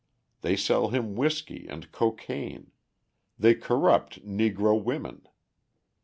They sell him whiskey and cocaine; they corrupt Negro women.